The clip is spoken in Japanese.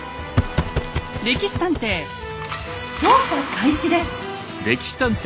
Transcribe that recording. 「歴史探偵」調査開始です。